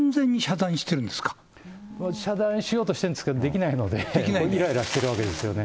遮断しようとしてるんですけど、できないので、いらいらしているわけですよね。